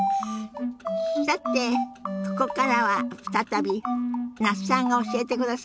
さてここからは再び那須さんが教えてくださるんですって。